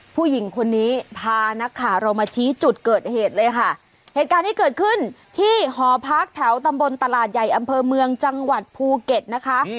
ผู้หญิงคนนี้พานักข่าวเรามาชี้จุดเกิดเหตุเลยค่ะเหตุการณ์ที่เกิดขึ้นที่หอพักแถวตำบลตลาดใหญ่อำเภอเมืองจังหวัดภูเก็ตนะคะ